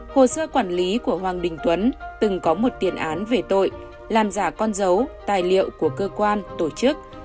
hồ sơ quản lý của hoàng đình tuấn từng có một tiền án về tội làm giả con dấu tài liệu của cơ quan tổ chức